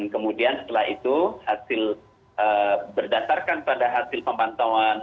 kemudian setelah itu berdasarkan pada hasil pembantauan